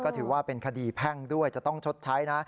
ถือว่าเป็นคดีแพ่งด้วยจะต้องชดใช้นะ